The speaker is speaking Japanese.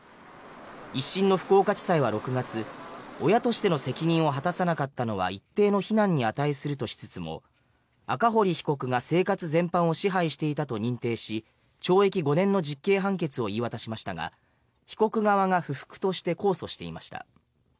１審の福岡地裁は６月親としての責任を果たさなかったのは一定の非難に値するとしつつも赤堀被告が生活全般を支配していたと認定し懲役５年の実刑判決を言い渡しましたが被告側が不服として控訴していました。